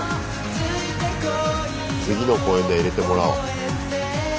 次の公演では入れてもらおう。